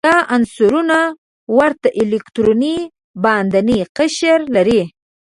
دا عنصرونه ورته الکتروني باندینی قشر لري.